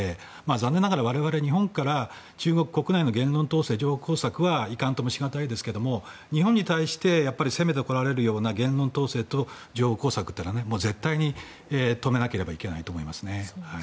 残念ながら我々、日本からは中国の言論統制と情報交錯はいかんともしがたいですけど日本に対して攻めてこられるような言論統制と情報工作は止めないといけないと思います。